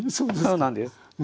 そうなんです。